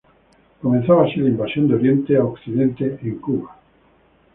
Comenzaba así la Invasión de Oriente a Occidente en Cuba.